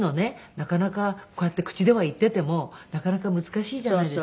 なかなかこうやって口では言っていてもなかなか難しいじゃないですか。